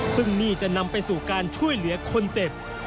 ซึ่งนี่จะนำไปสู่การช่วยเหลือคนเจ็บ